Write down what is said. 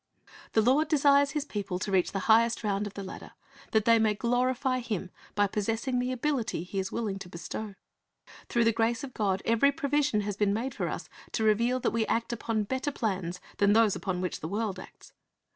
The Lord desires His people to reach the highest round of the ladder, that they may glorify Him by possessing the ability He is willing to bestow. Through the grace of God every provision has been made for us to reveal that we act upon better plans than those upon which the world acts.